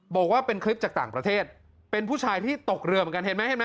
บอกว่าเป็นคลิปจากต่างประเทศเป็นผู้ชายที่ตกเรือเหมือนกันเห็นไหมเห็นไหม